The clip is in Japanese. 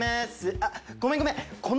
あっごめんごめん。